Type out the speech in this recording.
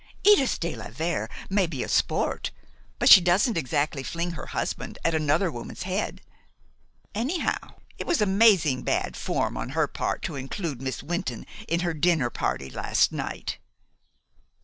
"Edith de la Vere may be a sport; but she doesn't exactly fling her husband at another woman's head. Anyhow, it was amazing bad form on her part to include Miss Wynton in her dinner party last night."